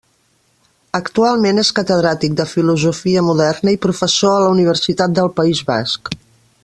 Actualment és catedràtic de Filosofia Moderna i professor a la Universitat del País Basc.